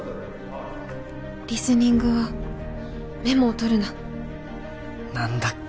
リスニングはメモを取るな何だっけ？